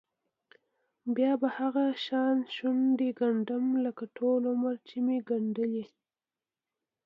بیا به هغه شان شونډې ګنډم لکه ټول عمر چې مې ګنډلې.